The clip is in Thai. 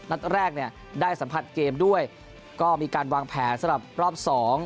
นัดแรกเนี่ยได้สัมผัสเกมด้วยก็มีการวางแผนสำหรับรอบสอง